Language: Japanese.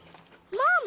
ママ！